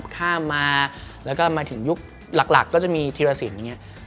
ข้ามมาแล้วก็มาถึงยุคหลักก็จะมีธิรสิน